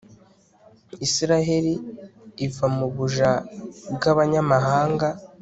israheli iva mu buja bw'abanyamahanga